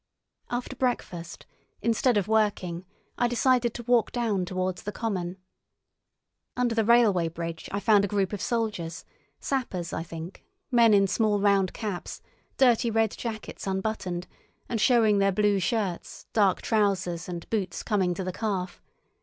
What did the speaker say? After breakfast, instead of working, I decided to walk down towards the common. Under the railway bridge I found a group of soldiers—sappers, I think, men in small round caps, dirty red jackets unbuttoned, and showing their blue shirts, dark trousers, and boots coming to the calf.